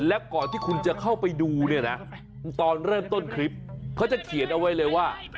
และก่อนที่คุณจะเข้าไปดูเนี่ยนะตอนเริ่มต้นคลิปเขาจะเขียนเอาไว้เลยว่า